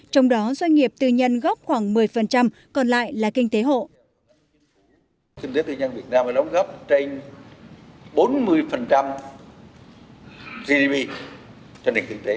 trong đó doanh nghiệp tư nhân góp khoảng một mươi còn lại là kinh tế hộ